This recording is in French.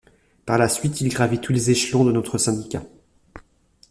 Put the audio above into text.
Par la suite, il gravit tous les échelons de notre syndicat.